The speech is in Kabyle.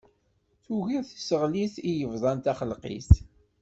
Tugiḍ tiseɣlit i yebḍan taxelqit.